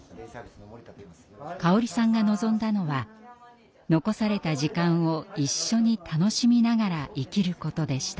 香織さんが望んだのは残された時間を一緒に楽しみながら生きることでした。